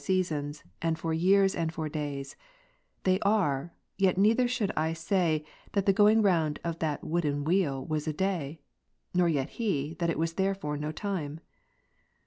241 seasons and for years, and for days ; they are ; yet neither should I say, that the going round of that wooden wheel was a day, nor yet he, that it was therefore no time.